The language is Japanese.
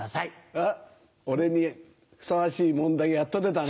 あっ俺にふさわしい問題やっと出たね。